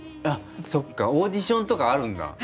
あそっかオーディションとかあるんだ。